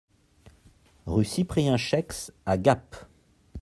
Rue Cyprien Chaix à Gap